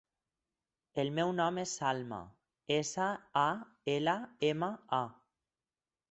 El meu nom és Salma: essa, a, ela, ema, a.